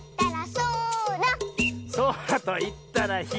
「そらといったらひろい！」